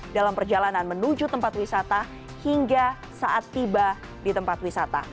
dalam perjalanan menuju tempat wisata hingga saat tiba di tempat wisata